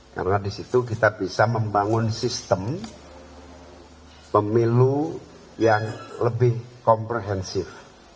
karena di situ kita bisa membangun sistem pemilu yang lebih komprehensif